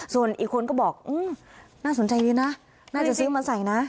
ส่วนอีกคนก็บอกน่าสนใจดีนะน่าจะซื้อมาใส่นะ